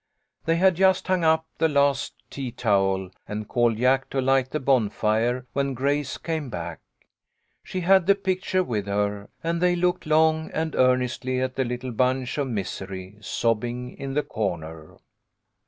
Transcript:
They had just hung up the last tea towel and called Jack to light the bonfire, when Grace came back. She had the picture with her, and they looked long and earnestly at the little bunch of mis ery, sobbing in the corner.